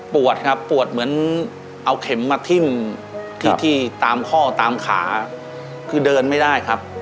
ครับปวดเหมือนเอาเข็มมาทิ้มที่ที่ตามข้อตามขาคือเดินไม่ได้ครับ